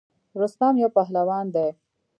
رستم یو پهلوان دی.